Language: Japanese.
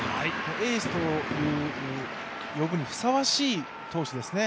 エースと呼ぶにふさわしい投手ですね。